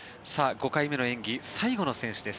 ５回目の演技、最後の選手です。